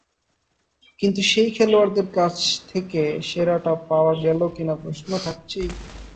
কিন্তু সেই খেলোয়াড়দের কাছ থেকে সেরাটা পাওয়া গেল কিনা প্রশ্ন থাকছেই।